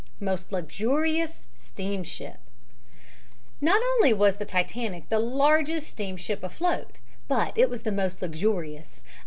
MOST LUXURIOUS STEAMSHIP Not only was the Titanic the largest steamship afloat but it was the most luxurious.